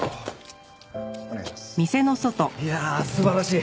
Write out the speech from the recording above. いやあ素晴らしい。